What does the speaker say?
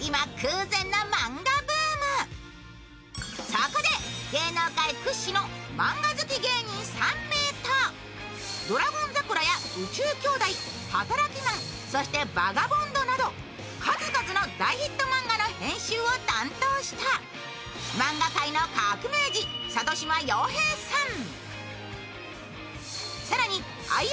そこで芸能界屈指のマンガ好き芸人３人と「ドラゴン桜」や「宇宙兄弟」「働きマン」、そして、「バガボンド」など数々の大ヒット漫画の編集をしたマンガ界の革命児佐渡島庸平さん。